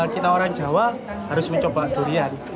kita orang jawa harus mencoba durian